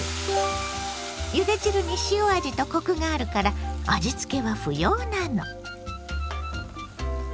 ゆで汁に塩味とコクがあるから味つけは不要なの。